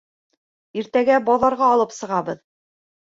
Иртәгә баҙарға алып сығабыҙ.